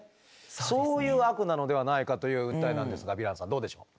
そういう悪なのではないかという訴えなんですがヴィランさんどうでしょう？